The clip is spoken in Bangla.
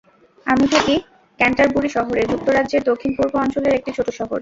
আমি থাকি ক্যান্টারবুরি শহরে, যুক্তরাজ্যের দক্ষিণ পূর্ব অঞ্চলের একটি ছোট শহর।